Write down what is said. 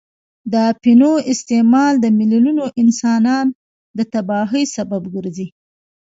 د اپینو استعمال د میلیونونو انسانان د تباهۍ سبب ګرځي.